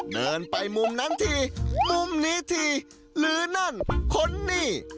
เดินไปมุมนั้นทีมุมนี้ทีหรือนั่นคนนี่